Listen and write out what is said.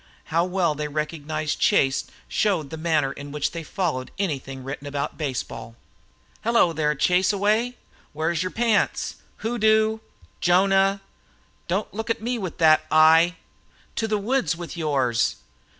How well they recognized Chase showed the manner in which they followed anything written about baseball. "Hello, there, Chaseaway!" "Where's your pants?" "Hoodoo!" "Jonah!" "Don't look at me with that eye." "To the woods for yours!"